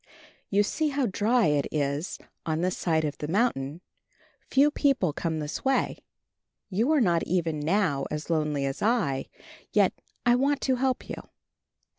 "You see how dry it is on this side of the mountain. Few people come this way. You are not even now as lonely as I, yet I want to help you.